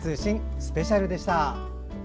スペシャルでした。